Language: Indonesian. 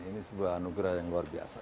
ini sebuah anugerah yang luar biasa